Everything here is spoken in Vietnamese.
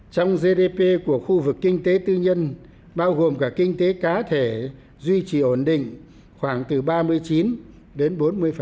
trong gdp của khu vực kinh tế tư nhân bao gồm cả kinh tế cá thể duy trì ổn định khoảng từ ba mươi chín đến bốn mươi